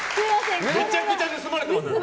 めちゃくちゃ盗まれてますよね。